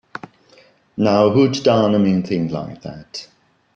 Now who'da done a mean thing like that?